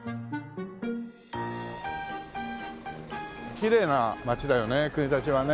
きれいな街だよね国立はね。